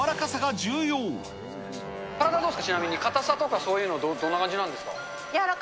体どうですか、ちなみに、かたさとか、そういうのどんな感じなんですか。